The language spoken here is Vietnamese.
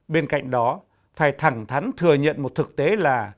bên cạnh đó phải thẳng thắn thừa nhận một thực tế là